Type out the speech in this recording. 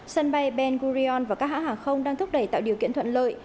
sân bay ben gurion và các hãng hàng không đang thúc đẩy tạo điều kiện thuận lợi